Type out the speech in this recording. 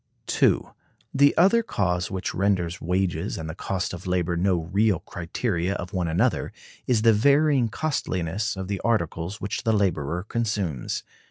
The other cause which renders wages and the cost of labor no real criteria of one another is the varying costliness of the articles which the laborer consumes.